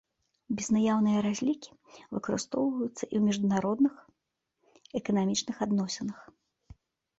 Безнаяўныя разлікі выкарыстоўваюцца і ў міжнародных эканамічных адносінах.